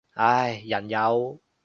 唉，人有